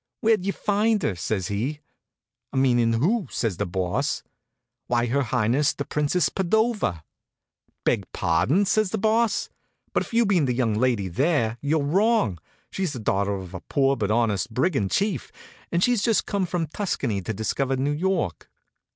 "Where'd you find her?" says he. "Meanin' who?" says the Boss. "Why, her highness the Princess Padova." "Beg pardon," says the Boss, "but if you mean the young lady there, you're wrong. She's the daughter of a poor but honest brigand chief, and she's just come from Tuscany to discover New York."